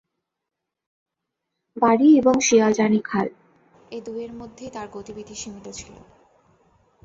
বাড়ি এবং শিয়ালজানি খাল-এ দুয়ের মধ্যেই তার গতিবিধি সীমিত ছিল।